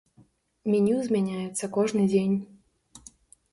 Меню змяняецца кожны дзень.